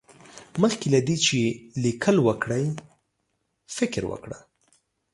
مخکې له دې چې ليکل وکړې، فکر وکړه.